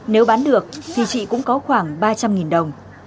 nếu bán được thì chị cũng có khoảng ba trăm linh đồng